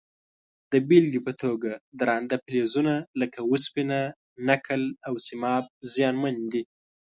د بیلګې په توګه درانده فلزونه لکه وسپنه، نکل او سیماب زیانمن دي.